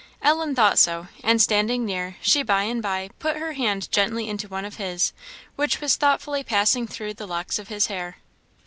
Ellen thought so; and standing near, she by and by put her hand gently into one of his, which was thoughtfully passing through the locks of his hair.